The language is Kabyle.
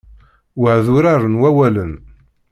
Wa d urar n wawalen.